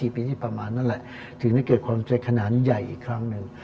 ปีที่ประมาณนั่นแหละถึงได้เกิดความใจขนาดใหญ่อีกครั้งหนึ่ง